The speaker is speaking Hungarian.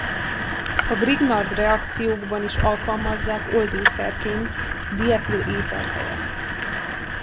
A Grignard-reakciókban is alkalmazzák oldószerként dietil-éter helyett.